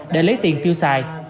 để lấy tiền tiêu xài